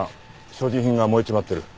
所持品が燃えちまってる。